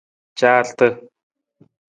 Caarata.